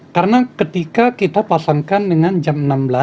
karena ketika kita pasangkan dengan jam enam belas